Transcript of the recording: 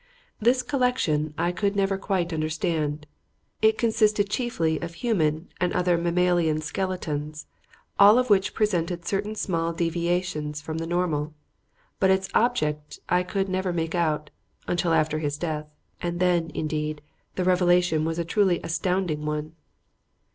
This collection I could never quite understand. It consisted chiefly of human and other mammalian skeletons, all of which presented certain small deviations from the normal; but its object I could never make out until after his death; and then, indeed, the revelation was a truly astounding one.